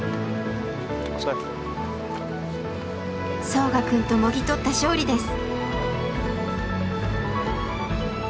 ソウガくんともぎ取った勝利です。